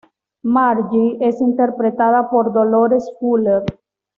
Margie es interpretada por Dolores Fuller.